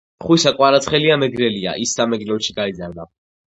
ხვიჩა კვარაცხელია მეგრელია.ის სამეგრელოში გაიზარდა